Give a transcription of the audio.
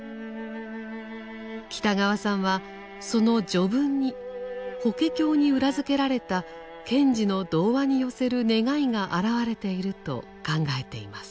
北川さんはその序文に「法華経」に裏付けられた賢治の童話に寄せる願いがあらわれていると考えています。